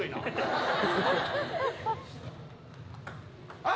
あっ！